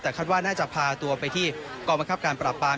แต่คาดว่าน่าจะพาตัวไปที่กองบังคับการปราบปราม